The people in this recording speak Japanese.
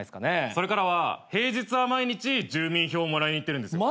それからは平日は毎日住民票をもらいに行ってるんですよ。